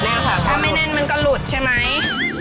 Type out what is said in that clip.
ถ้าไม่แน่นมันก็หลุดใช่ไหม